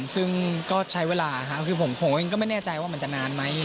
ซึ่งก็ใช้เวลาครับคือผมเองก็ไม่แน่ใจว่ามันจะนานไหม